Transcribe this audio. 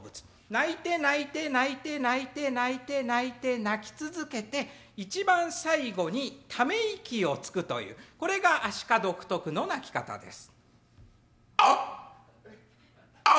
鳴いて鳴いて鳴いて鳴いて鳴いて鳴いて鳴き続けて一番最後にため息をつくというこれがアシカ独特の鳴き方です。